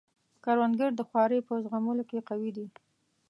کروندګر د خوارۍ په زغملو کې قوي دی